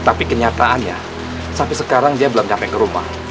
tapi kenyataannya sampai sekarang dia belum sampai ke rumah